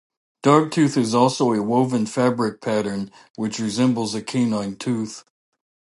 "Dogtooth" is also a woven fabric pattern which resembles a canine tooth.